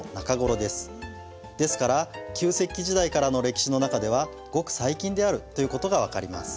ですから旧石器時代からの歴史の中ではごく最近であるということが分かります。